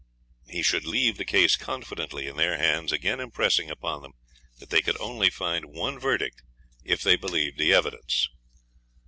He should leave the case confidently in their hands, again impressing upon them that they could only find one verdict if they believed the evidence.